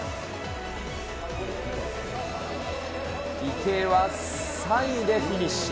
池江は３位でフィニッシュ。